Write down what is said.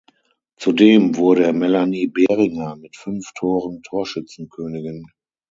Zudem wurde Melanie Behringer mit fünf Toren Torschützenkönigin.